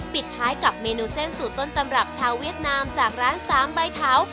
ปิดท้ายกับเมนูเส้นสูตรต้นตำรับชาวเวียดนามจากร้านสามใบเท้า